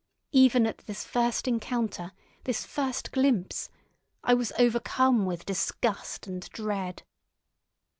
Even at this first encounter, this first glimpse, I was overcome with disgust and dread.